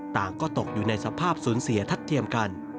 ก็ตกอยู่ในสภาพสูญเสียทัดเทียมกัน